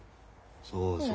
そうそう。